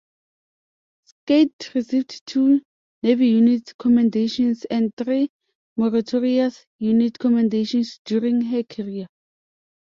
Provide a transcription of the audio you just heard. Skate received two Navy Unit Commendations and three Meritorious Unit Commendations during her career.